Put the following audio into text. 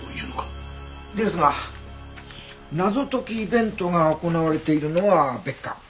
ですが謎解きイベントが行われているのは別館。